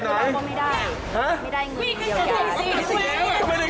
สวัสดีครับ